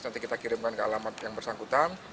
nanti kita kirimkan ke alamat yang bersangkutan